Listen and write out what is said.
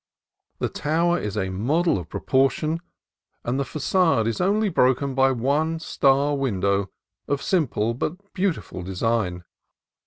The tower is a model of proportion, and the facade is only broken by one star window of simple but beautiful design.